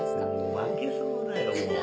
負けそうだよもう。